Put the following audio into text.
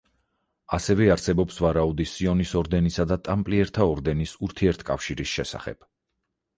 ასევე არსებობს ვარაუდი სიონის ორდენისა და ტამპლიერთა ორდენის ურთიერთკავშირის შესახებ.